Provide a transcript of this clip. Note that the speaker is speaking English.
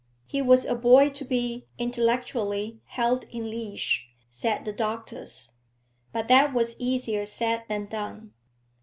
He was a boy to be, intellectually, held in leash, said the doctors. But that was easier said than done.